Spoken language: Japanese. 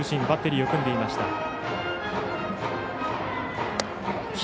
バッテリーを組んでいました。